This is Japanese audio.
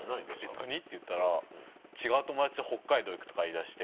「何？」って言ったら「違う友達と北海道行く」とか言い出して。